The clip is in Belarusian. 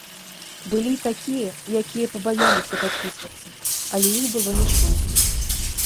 Былі і такія, якія пабаяліся падпісвацца, але іх было няшмат.